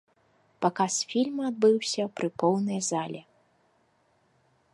Паказ фільма адбыўся пры поўнай зале.